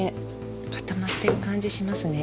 固まっている感じ、しますね。